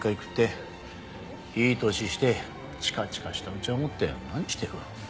いい年してチカチカしたうちわ持って何してる。